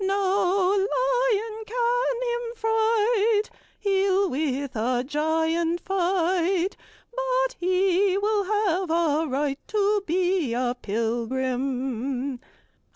No lion can him fright; He'll with a giant fight, But he will have a right To be a pilgrim.